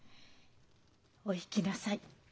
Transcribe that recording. お行きなさい。